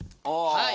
はい。